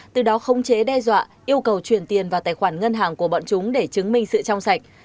từ đó không chế đe dọa yêu cầu chuyển tiền vào tài khoản ngân hàng của bọn chúng để chứng minh sự trong sạch